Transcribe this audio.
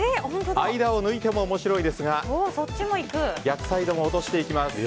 間を抜いても面白いですが逆サイドも落としていきます。